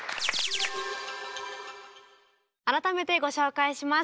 改めてご紹介します。